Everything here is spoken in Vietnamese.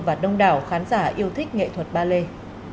và đông đảo khán giả yêu thích nghệ thuật ballet